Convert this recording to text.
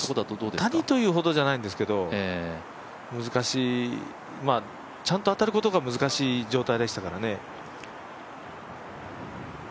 谷というほどじゃないんですけど、難しい、ちゃんと当たることが難しい状態でしたからね。